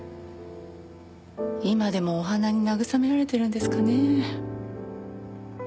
今でもお花に慰められているんですかね。